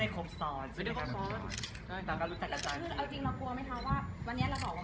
ก็เรียนอันว่าไม่ได้ครบศล